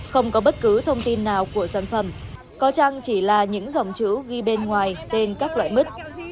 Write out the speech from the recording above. không có bất cứ thông tin nào của sản phẩm có chăng chỉ là những dòng chữ ghi bên ngoài tên các loại mứt